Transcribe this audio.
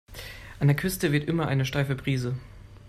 An der Küste weht immer eine steife Brise.